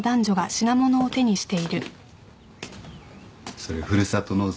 それふるさと納税